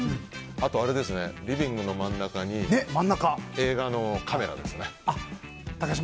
あと、リビングの真ん中に映画のカメラですね。